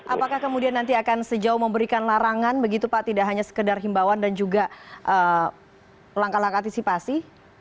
apakah kemudian nanti akan sejauh memberikan larangan begitu pak tidak hanya sekedar himbawan dan juga langkah langkah antisipasi